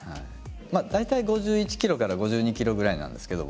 大体５１ｋｇから５２ｋｇぐらいなんですけど僕。